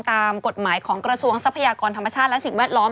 ตามกฎหมายของกระทรวงทรัพยากรธรรมชาติและสิ่งแวดล้อม